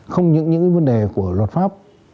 không những những vấn đề của luật pháp